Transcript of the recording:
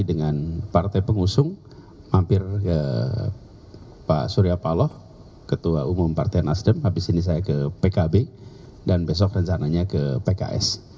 dengan partai pengusung mampir ke pak surya paloh ketua umum partai nasdem habis ini saya ke pkb dan besok rencananya ke pks